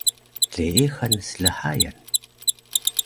leexan slhayan